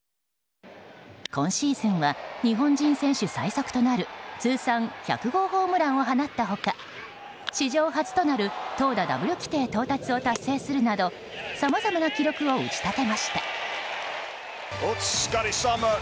今シーズンは日本人選手最速となる通算１００号ホームランを放った他史上初となる投打ダブル規定到達を達成するなどさまざまな記録を打ち立てました。